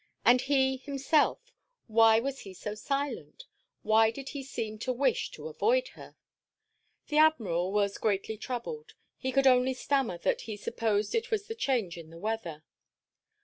And he, himself, why was he so silent? Why did he seem to wish to avoid her? The Admiral was greatly troubled. He could only stammer that he supposed it was the change in the weather.